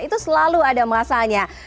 itu selalu ada masanya